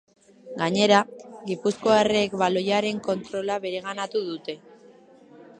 Gainera, gipuzkoarrek baloiaren kontrola bereganatu dute.